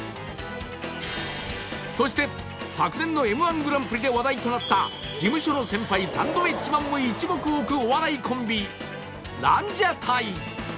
そして昨年の Ｍ−１ グランプリで話題となった事務所の先輩サンドウィッチマンも一目置くお笑いコンビランジャタイ